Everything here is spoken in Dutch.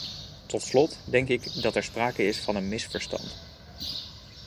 Tot slot denk ik dat er sprake is van een misverstand.